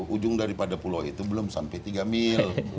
ujung daripada pulau itu belum sampai tiga mil